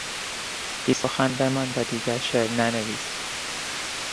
بیسخن بمان و دیگر شعر ننویس.